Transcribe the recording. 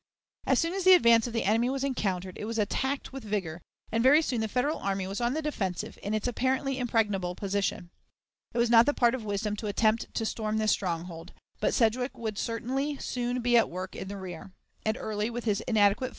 As soon as the advance of the enemy was encountered, it was attacked with vigor, and very soon the Federal army was on the defensive in its apparently impregnable position. It was not the part of wisdom to attempt to storm this stronghold; but Sedgwick would certainly soon be at work in the rear, and Early, with his inadequate force, could not do more than delay and harass him.